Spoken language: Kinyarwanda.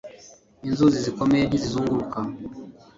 inzuzi zikomeye nti zizunguruka